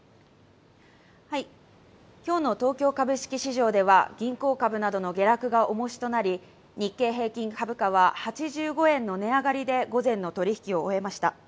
今日の東京株式市場では、銀行株などの下落が重しとなり、日経平均株価は８５円の値上がりで午前の取引を終えました。